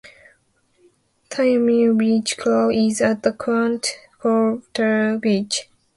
Taliamare Beach Club is at the Qanat Quartier beach.